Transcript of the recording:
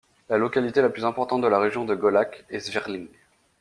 La localité la plus importante de la région de Golak est Svrljig.